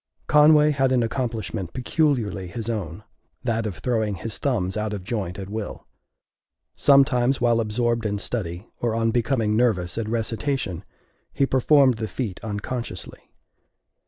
Conway had an accomplishment peculiarly his own that of throwing his thumbs out of joint at will. Sometimes while absorbed in study, or on becoming nervous at recitation, he performed the feat unconsciously.